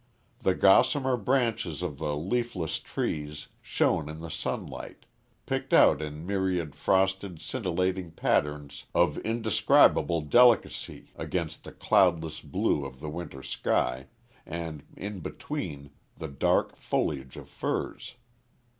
The gossamer branches of the leafless trees shone in the sunlight, picked out in myriad frosted, scintillating patterns of indescribable delicacy against the cloudless blue of the winter sky, and, in between, the dark foliage of firs.